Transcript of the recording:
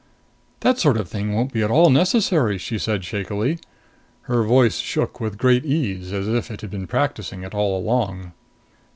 "That sort of thing won't be at all necessary!" she said shakily. Her voice shook with great ease, as if it had been practicing it all along.